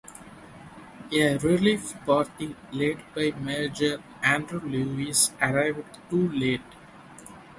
A relief party led by Major Andrew Lewis arrived too late.